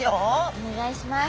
お願いします。